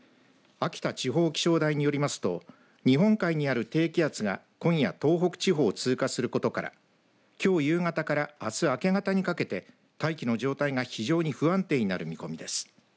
秋田地方気象台によりますと日本海にある低気圧が今夜東北地方を通過することからきょう夕方からあす明け方にかけて大気の状態が非常に不安定になる見込みです。